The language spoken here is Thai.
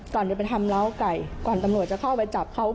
ก่อนจะไปทำเล้าไก่ก่อนตำรวจจะเข้าไปจับเขา